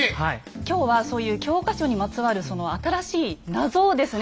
今日はそういう教科書にまつわるその新しい謎をですね